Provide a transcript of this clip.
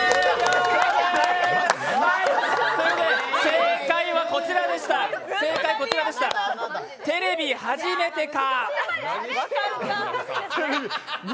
正解はこちらでした、テレビ初めてか！